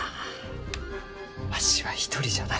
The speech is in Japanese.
わしは一人じゃない。